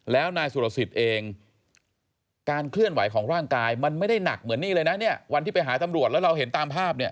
ไปพาไปนั่นยกมานั่งไปตลอดเวลา